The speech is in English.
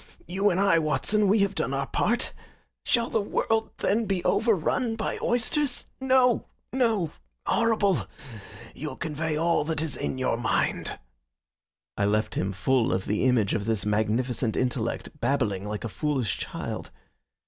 You and I, Watson, we have done our part. Shall the world, then, be overrun by oysters? No, no; horrible! You'll convey all that is in your mind." I left him full of the image of this magnificent intellect babbling like a foolish child.